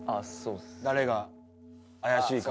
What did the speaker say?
誰が怪しいか。